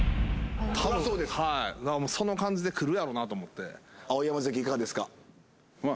はいだからその感じでくるやろうなと思って碧山関いかがですか？